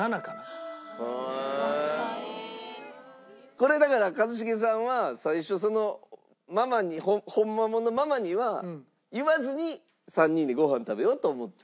これだから一茂さんは最初ママにホンマもんのママには言わずに３人でご飯食べようと思ってた？